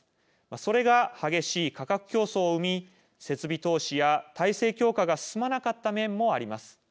それが、激しい価格競争を生み設備投資や体制強化が進まなかった面もあります。